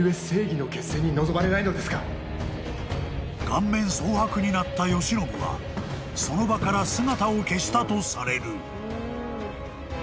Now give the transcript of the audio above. ［顔面蒼白になった慶喜はその場から姿を消したとされる］